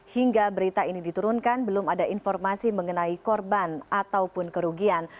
hingga berita ini diturunkan belum ada informasi mengenai korban ataupun kerugian